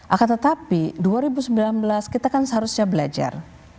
akan tetapi dua ribu sembilan belas kita kan seharusnya belajar